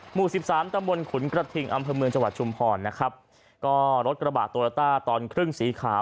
หมู่สิบสามตำบลขุนกระทิงอำเภอเมืองจังหวัดชุมพรนะครับก็รถกระบะโตโยต้าตอนครึ่งสีขาว